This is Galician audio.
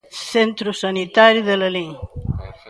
Centro sanitario de Lalín.